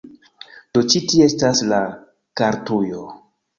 Do ĉi tie estas la kartujo